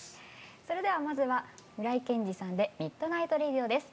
それではまずは浦井健治さんで「ミッドナイト・レディオ」です。